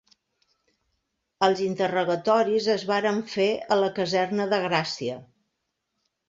Els interrogatoris es varen fer a la caserna de Gràcia.